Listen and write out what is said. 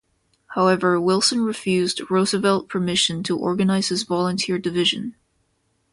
However, Wilson refused Roosevelt permission to organize his volunteer division.